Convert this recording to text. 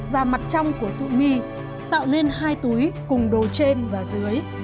và mặt trong của dụ mi tạo nên hai túi cùng đồ trên và dưới